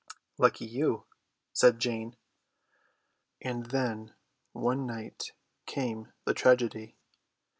"Lucky you," said Jane. And then one night came the tragedy.